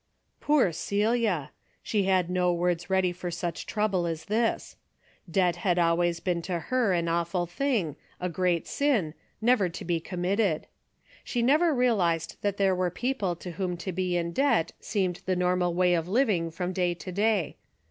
Poor Celia! She had no words ready for such trouble as this. Debt had always been to her an awful thing, a great sin, never to be 40 A DAILY EATE:^ committed. She never realized that there were people to whom to be in debt seemed the normal way of living from day to day.